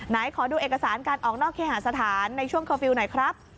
ขอดูเอกสารการออกนอกเคหาสถานในช่วงเคอร์ฟิลล์หน่อยครับ